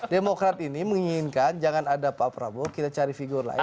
demokrat ini menginginkan jangan ada pak prabowo kita cari figur lain